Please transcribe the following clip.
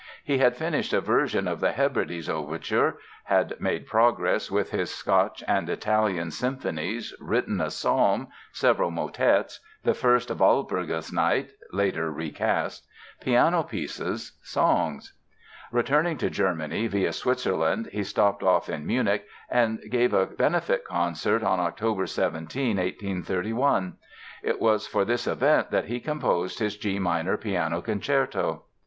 He had finished a version of the "Hebrides" Overture, had made progress with his "Scotch" and "Italian" Symphonies, written a Psalm, several motets, the "First Walpurgis Night" (later recast), piano pieces, songs. Returning to Germany via Switzerland he stopped off in Munich and gave a benefit concert on Oct. 17, 1831. It was for this event that he composed his G minor Piano Concerto.